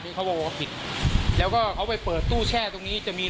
นี้เขาบอกว่าน้ำแร่ทางแม่ชาติพิช